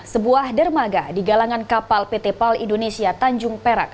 sebuah dermaga di galangan kapal pt pal indonesia tanjung perak